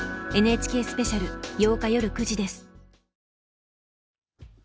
「ＮＨＫスペシャル」８日夜９時です。